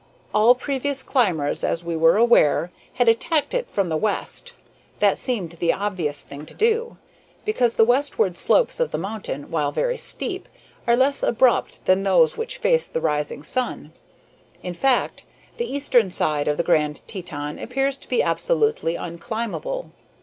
All previous climbers, as we were aware, had attacked it from the west. That seemed the obvious thing to do, because the westward slopes of the mountain, while very steep, are less abrupt than those which face the rising sun. In fact, the eastern side of the Grand Teton appears to be absolutely unclimbable.